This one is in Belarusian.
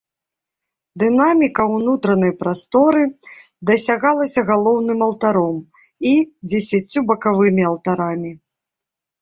Дынаміка ўнутранай прасторы дасягалася галоўным алтаром і дзесяццю бакавымі алтарамі.